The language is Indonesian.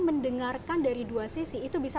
mendengarkan dari dua sisi itu bisa